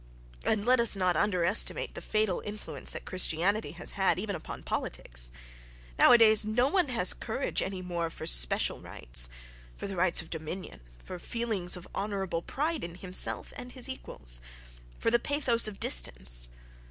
—And let us not underestimate the fatal influence that Christianity has had, even upon politics! Nowadays no one has courage any more for special rights, for the right of dominion, for feelings of honourable pride in himself and his equals—for the pathos of distance....